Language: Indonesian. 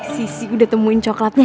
sisi udah temuin coklatnya